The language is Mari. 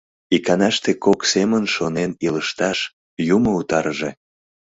Иканаште кок семын шонен илышташ — Юмо утарыже!